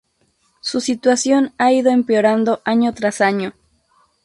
Su situación ha ido empeorando año tras año.